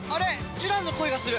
ジュランの声がする。